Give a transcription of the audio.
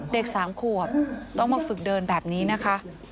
เด็ก๓ขวบต้องมาฝึกเดินแบบนี้นะคะ